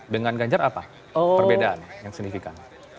dengan ganjar apa perbedaan yang signifikan